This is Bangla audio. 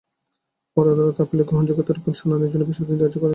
পরে আদালত আপিলের গ্রহণযোগ্যতার ওপর শুনানির জন্য বৃহস্পতিবার দিন ধার্য করেন।